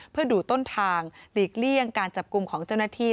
เพื่อดูต้นทางหลีกเลี่ยงการจับกลุ่มของเจ้าหน้าที่